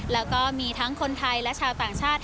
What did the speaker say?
แล้วก็มีทั้งคนไทยและชาวต่างชาติ